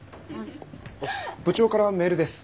部長からメールです。